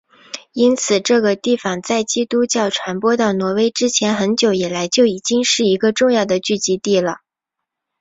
因此这个地方在基督教传播到挪威之前很久以来就已经是一个重要的聚集地了。